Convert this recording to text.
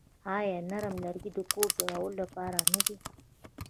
آیا نرم لرګي د کور جوړولو لپاره نه دي؟